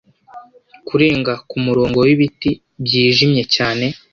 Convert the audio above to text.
kurenga kumurongo wibiti byijimye cyane